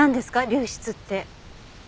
流出って。